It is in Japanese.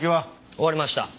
終わりました。